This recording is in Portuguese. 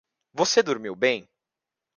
Você dormiu bem?